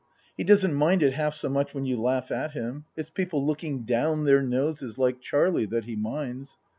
He doesn't mind it half so much when you laugh at him. It's people looking down their noses, like Charlie, that he minds.